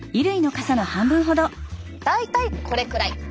大体これくらい！